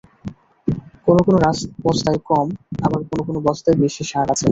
কোনো কোনো বস্তায় কম, আবার কোনো কোনো বস্তায় বেশি সার আছে।